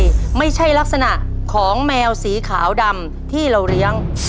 ไม่ใช่ลักษณะของแมวสีขาวดำที่เราเลี้ยง